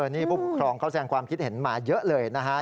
นี่ผู้ปกครองเขาแสงความคิดเห็นมาเยอะเลยนะฮะ